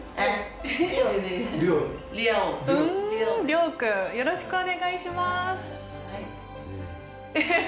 リョウ君よろしくお願いします。